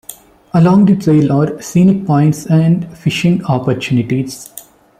Along the trail are scenic points and fishing opportunities.